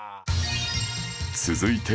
続いて